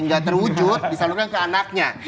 nggak terwujud disalurkan ke anaknya